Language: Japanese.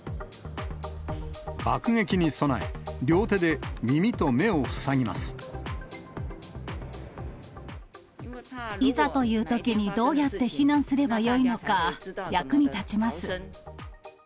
爆撃に備え、いざというときに、どうやって避難すればよいのか、役に立ちます。